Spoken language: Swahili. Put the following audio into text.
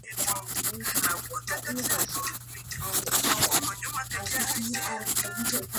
mwake kazi za Chameleon zimekuwa zikitesa nje ya mipaka ya nchi hiyo Jose Mayanja